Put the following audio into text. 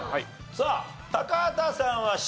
さあ高畑さんはＣ。